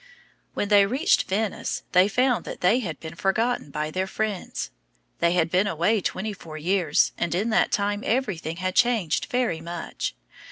When they reached Venice they found that they had been forgotten by their friends. They had been away twenty four years, and in that time everything had changed very much.